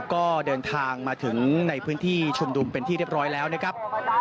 ก็เดินทางมาถึงในพื้นที่ชุมนุมเป็นที่เรียบร้อยแล้วนะครับ